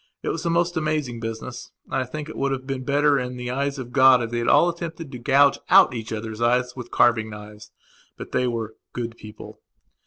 It was a most amazing business, and I think that it would have been better in the eyes of God if they had all attempted to gouge out each other's eyes with carving knives. But they were "good people".